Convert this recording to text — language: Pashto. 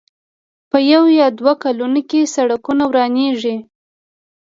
په يو يا دوو کلونو کې سړکونه ورانېږي.